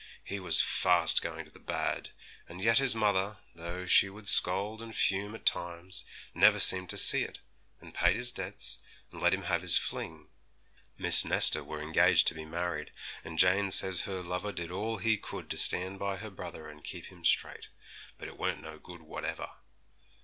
He was fast going to the bad; and yet his mother, though she would scold and fume at times, never seemed to see it, and paid his debts, and let him have his fling. Miss Nesta were engaged to be married, and Jane says her lover did all he could to stand by her brother and keep him straight; but it weren't no good whatever.